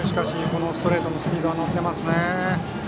このストレートもスピードが乗っていますね。